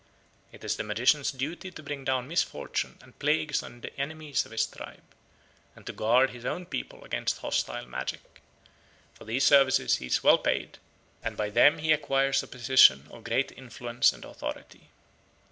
It is the magician's duty to bring down misfortune and plagues on the enemies of his tribe, and to guard his own people against hostile magic. For these services he is well paid, and by them he acquires a position of great influence and authority.